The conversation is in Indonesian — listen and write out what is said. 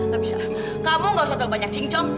gak bisa kamu gak usah banyak cincong